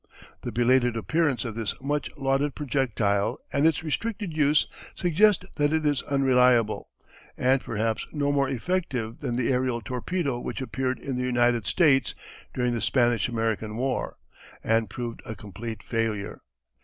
The belated appearance of this much lauded projectile and its restricted use suggest that it is unreliable, and perhaps no more effective than the aerial torpedo which appeared in the United States during the Spanish American War, and proved a complete failure.